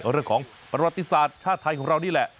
เรื่องของประวัติศาสตร์ชาติไทยของเรานี่แหละ